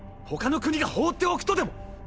他の国が放っておくとでも？